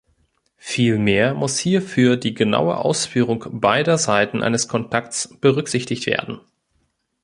Vielmehr muss hierfür die genaue Ausführung "beider" Seiten eines Kontakts berücksichtigt werden.